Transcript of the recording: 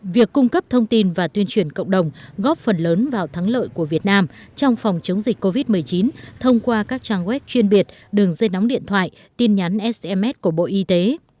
việc cung cấp thông tin và tuyên truyền cộng đồng góp phần lớn vào thắng lợi của việt nam trong phòng chống dịch covid một mươi chín thông qua các trang web chuyên biệt đường dây nóng điện thoại tin nhắn sms của bộ y tế